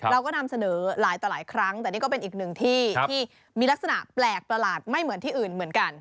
เราก็นำเสนอหลายต่อหลายครั้งแต่นี่ก็เป็นอีกหนึ่งที่ที่มีลักษณะแปลกประหลาดไม่เหมือนที่อื่นเหมือนกัน